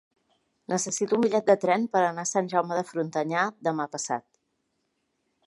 Necessito un bitllet de tren per anar a Sant Jaume de Frontanyà demà passat.